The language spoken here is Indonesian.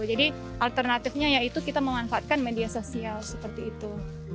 jadi alternatifnya yaitu kita mengunfatkan media sosial seperti itu